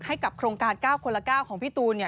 ให้กับโครงการ๙คนละ๙ของพี่ตูน